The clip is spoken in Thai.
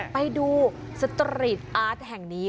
ไปดูสตรีทอาร์ตแห่งนี้